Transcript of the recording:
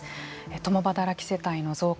共働き世帯の増加